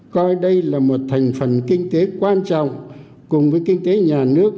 coi đây là một thành phần kinh tế quan trọng cùng với kinh tế nhà nước